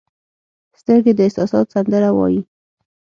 سترګې د احساسات سندره وایي